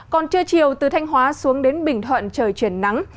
còn trưa chiều từ thanh hóa xuống đến bình thuận trời chuyển nắng